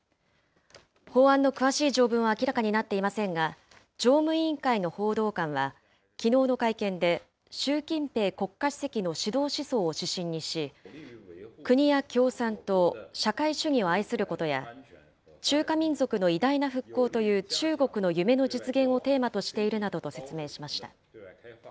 法案の詳しい条文は明らかになっていませんが、常務委員会の報道官はきのうの会見で、習近平国家主席の指導思想を指針にし、国や共産党、社会主義を愛することや、中華民族の偉大な復興という、中国の夢の実現をテーマとしているなどと説明しました。